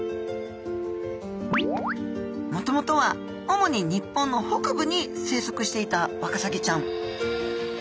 もともとは主に日本の北部に生息していたワカサギちゃん。